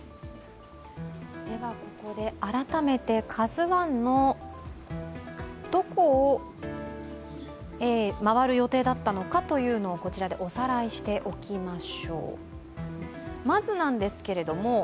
ここで改めて「ＫＡＺＵⅠ」のどこを回る予定だったのかというのをおさらいしておきます。